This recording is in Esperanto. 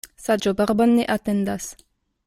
Saĝo barbon ne atendas.